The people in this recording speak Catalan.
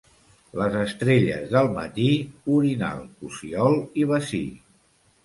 Les estrelles del matí: orinal, cossiol i bací.